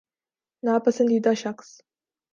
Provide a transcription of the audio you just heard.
نا پسندیدہ شخص